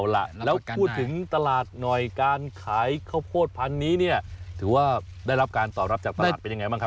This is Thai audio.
แล้วพูดถึงตลาดหน่อยการขายข้าวโพดพันนี้ถือว่าได้รับการตอบรับจากตลาดเป็นอย่างไรบ้างครับ